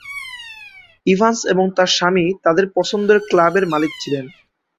Evans এবং তাঁর স্বামী তাদের পছন্দের ক্লাবের মালিক ছিলেন।